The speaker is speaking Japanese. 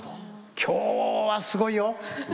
今日はすごいよ。